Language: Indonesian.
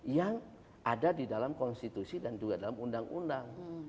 yang ada di dalam konstitusi dan juga dalam undang undang